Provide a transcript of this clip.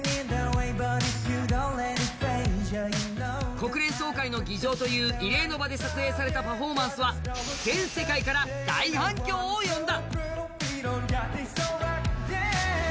国連総会の議場という異例の場で撮影されたパフォーマンスは全世界から大反響を呼んだ。